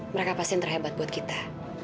mereka pasti yang terhebat buat kita